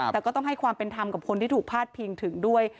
แต่ก็ต้องให้ความเป็นธรรมกับคนที่ถูกพาดพิงถึงด้วย